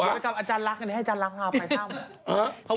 อาจารย์รักก็อย่างนี้ให้อาจารย์รักให้เอาไปตาม